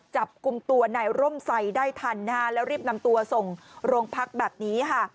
จับกลุ่มตัวนายร่มใส่ได้ทันนะฮะแล้วรีบนำตัวส่งโรงพักแบบนี้ค่ะ